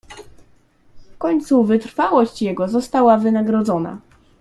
"W końcu wytrwałość jego została wynagrodzona."